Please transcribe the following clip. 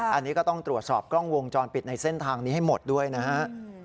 อันนี้ก็ต้องตรวจสอบกล้องวงจรปิดในเส้นทางนี้ให้หมดด้วยนะฮะ